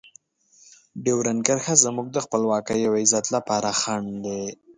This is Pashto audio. ډیورنډ کرښه زموږ د خپلواکۍ او عزت لپاره خنډ دی.